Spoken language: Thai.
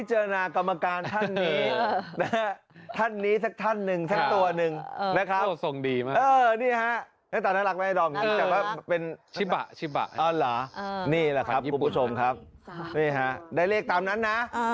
จะทำการออกรางวัลสลายสินแบ่งรัฐบาลงวดวันที่๑๖ด้วยประจิตกาโยน